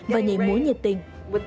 và nhảy mối nhiệt tình